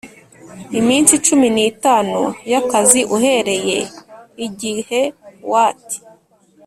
Iminsi cumi n itanu y akazi uhereye igighe wat